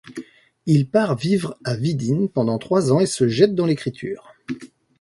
Il part vivre à Vidine pendant trois ans et se jette dans l'écriture.